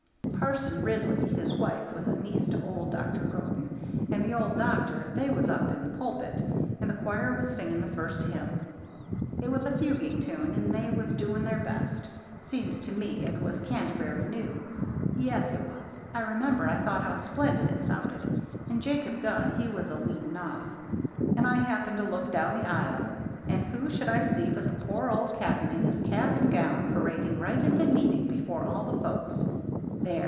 "Parson Ridley his wife was a niece to old Dr. Croden and the old doctor they was up in the pulpit, and the choir was singing the first hymn it was a fuguing tune, and they was doing their best: seems to me it was 'Canterbury New.' Yes, it was; I remember I thought how splendid it sounded, and Jacob Gunn he was a leading off; and I happened to look down the aisle, and who should I see but the poor old cap'n in his cap and gown parading right into meeting before all the folks! There!